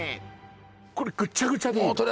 これぐっちゃぐちゃでいいの？